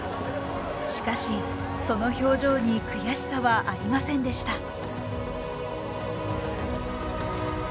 しかしその表情に悔しさはありませんでした。